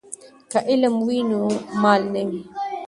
که علم وي نو مال نه وي.